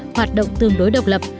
hoạt động tương đối độc lập